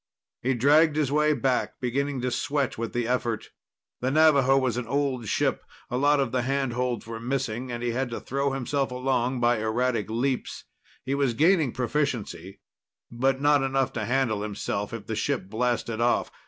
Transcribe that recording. He dragged his way back, beginning to sweat with the effort. The Navaho was an old ship. A lot of the handholds were missing, and he had to throw himself along by erratic leaps. He was gaining proficiency, but not enough to handle himself if the ship blasted off.